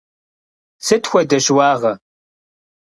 Сыт хуэдэ щыуагъэ?